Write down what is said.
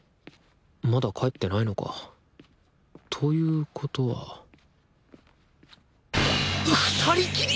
まだ帰ってないのか。ということはふたりきり！？